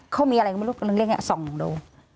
เขามีอะไรก็ไม่รู้เขาเรียกส่องโด